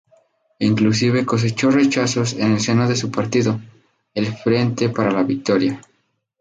Inclusive cosechó rechazos en el seno de su partido, el Frente Para la Victoria.